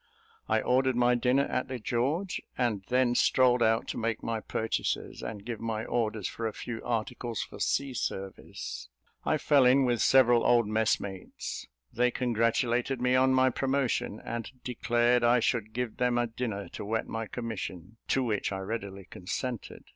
I ordered my dinner at the George, and then strolled out to make my purchases, and give my orders for a few articles for sea service. I fell in with several old messmates; they congratulated me on my promotion, and declared I should give them a dinner to wet my commission, to which I readily consented.